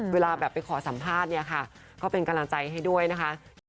เวลาไปขอสัมภาษณ์ก็เป็นกำลังใจให้ด้วยนะคะ